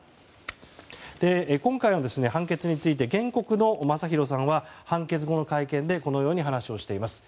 今回の判決について原告のまさひろさんは判決後の会見でこのように話をしています。